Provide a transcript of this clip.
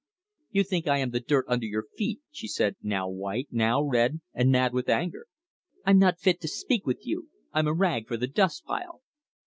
"You think I am the dirt under your feet," she said, now white, now red, and mad with anger. "I'm not fit to speak with you I'm a rag for the dust pile!"